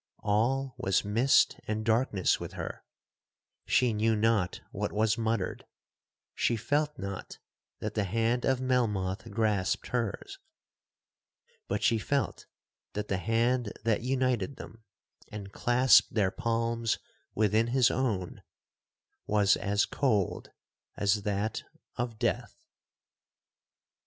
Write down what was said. All was mist and darkness with her,—she knew not what was muttered,—she felt not that the hand of Melmoth grasped hers,—but she felt that the hand that united them, and clasped their palms within his own, was as cold as that of death.'